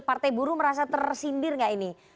partai buruh merasa tersindir nggak ini